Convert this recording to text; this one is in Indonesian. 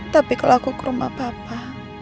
tapi kalau aku ke rumah bapak